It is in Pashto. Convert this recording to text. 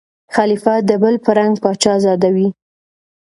خلیفه د بل په رنګ پاچا زاده وي